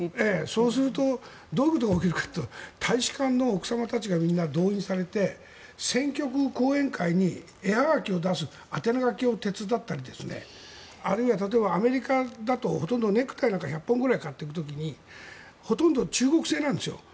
そうするとどういうことが起きるかというと大使館の奥様たちが動員されて選挙区講演会に絵葉書を出す宛名書きを手伝ったりあるいは、アメリカだとほとんどネクタイなんか１００本ぐらい買っていく時にほとんど中国製なんです。